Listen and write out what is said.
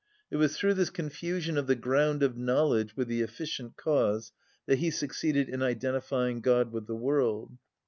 It was through this confusion of the ground of knowledge with the efficient cause that he succeeded in identifying God with the world.